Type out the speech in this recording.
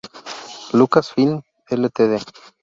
Lucasfilm Ltd.